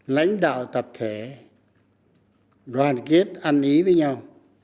lãnh đạo tập thể đoàn kết ăn ý với nhau